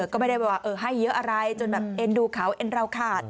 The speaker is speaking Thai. ก็ไม่ได้ว่าให้เยอะอะไรจนแบบเอ็นดูเขาเอ็นเราขาด